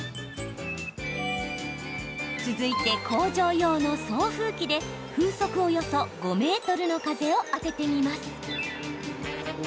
続いて、工場用の送風機で風速およそ５メートルの風を当ててみます。